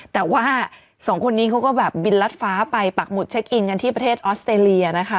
แต่ว่าสองคนนี้เขาก็แบบบินรัดฟ้าไปปักหุดเช็คอินกันที่ประเทศออสเตรเลียนะคะ